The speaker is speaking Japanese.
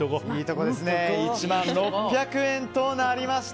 １万６００円となりました。